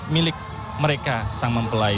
milik mereka sang mempelai